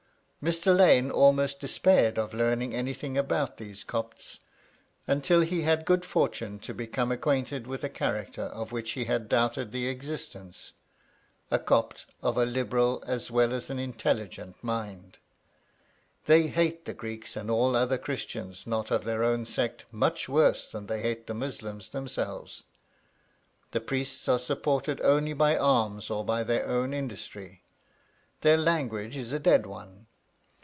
Mr. Lane almost despaired of learning anything about these Copts, until he had the good fortune to become acquainted with a character of which he had doubted the existence—a Copt of a liberal as well as an intelligent mind. They hate the Greeks and all other Christians not of their own sect much worse than they hate the Muslims themselves. The priests are supported only by alms or by their own industry. Their language is a dead one.